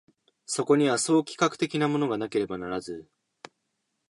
そこには総企画的なものがなければならず、